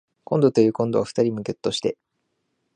こんどというこんどは二人ともぎょっとして